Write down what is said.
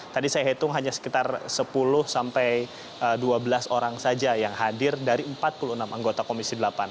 tadi saya hitung hanya sekitar sepuluh sampai dua belas orang saja yang hadir dari empat puluh enam anggota komisi delapan